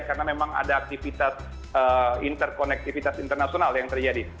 karena memang ada aktivitas interkonektivitas internasional yang terjadi